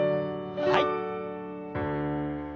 はい。